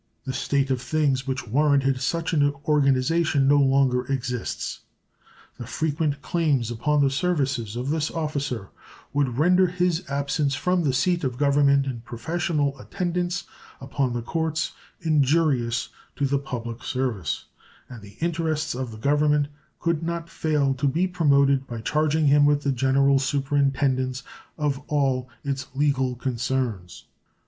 The state of things which warranted such an organization no longer exists. The frequent claims upon the services of this officer would render his absence from the seat of Government in professional attendance upon the courts injurious to the public service, and the interests of the Government could not fail to be promoted by charging him with the general superintendence of all its legal concerns.